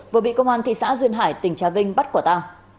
vừa bị công an tp sóc trăng tỉnh trà vinh bắt quả ta